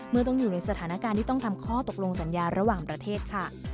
ต้องอยู่ในสถานการณ์ที่ต้องทำข้อตกลงสัญญาระหว่างประเทศค่ะ